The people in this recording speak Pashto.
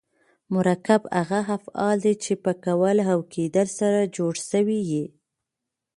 مرکب هغه افعال دي، چي په کول او کېدل سره جوړ سوي یي.